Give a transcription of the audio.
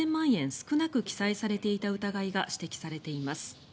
少なく記載されていた疑いが指摘されています。